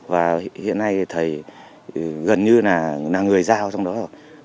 và hiện nay thì thầy gần như là người giao trong đó rồi